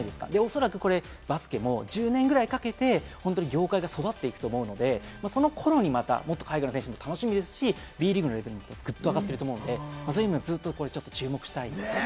おそらくバスケも１０年ぐらいかけて業界が育っていくと思うので、その頃にまたもっと海外の選手も楽しみですし、Ｂリーグレベルもぐっと上がると思うので、注目したいですね。